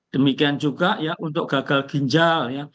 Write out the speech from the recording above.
demikian juga ya untuk gagal ginjal ya